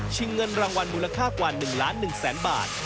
เงินรางวัลมูลค่ากว่า๑ล้าน๑แสนบาท